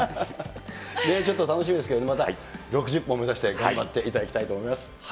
ちょっと楽しみですけどね、６０本目指して頑張っていただきたいと思います。